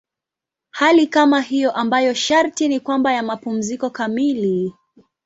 Hali kama hiyo ambayo sharti ni kwamba ya mapumziko kamili.